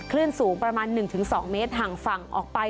คลื่นสูงประมาณ๑๒เมตรห่างฝั่งออกไป